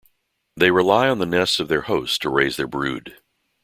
They rely on the nests of their hosts to raise their brood.